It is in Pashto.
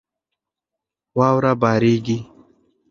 واوره بارېږي.